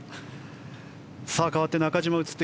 かわって中島です。